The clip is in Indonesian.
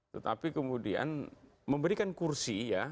tetapi kemudian memberikan kursi ya